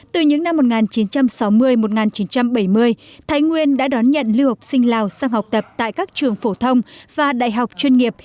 từ những năm một nghìn chín trăm sáu mươi một nghìn chín trăm bảy mươi thái nguyên đã đón nhận lưu học sinh lào sang học tập tại các trường phổ thông và đại học chuyên nghiệp